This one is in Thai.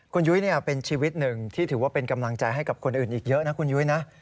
คุณยุ้ยเป็นชีวิตหนึ่งที่ถือว่าเป็นกำลังใจให้กับคนอื่นอีกเยอะนะคุณยุ้ยนะ